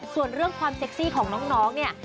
ส่วนเรื่องความเซ็กซี่ของน้องเนี่ย